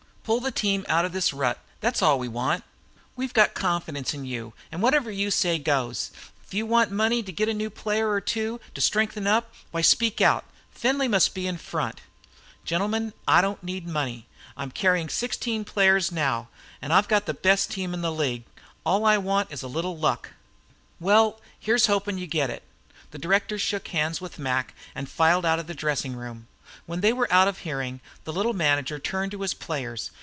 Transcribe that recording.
Pull the team out of this rut, that's all we want. We've got confidence in you, and whatever you say goes. If you want money to get a new player or two to strengthen up, why speak out. Findlay must be in front." "Gentlemen, I don't need any money. I'm carryin' sixteen players now, an' I've got the best team in this league. All I want is a little luck." "Well, here's hoping you get it." The directors shook hands with Mac and filed out of the dressing room. When they were out of hearing the little manager turned to his players.